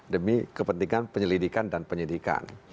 demi kepentingan penyelidikan dan penyidikan